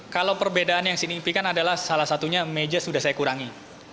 kalau perbedaan yang signifikan adalah salah satunya meja sudah saya kurangi